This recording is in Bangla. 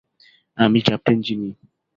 আমি ক্যাপ্টেন চেনি।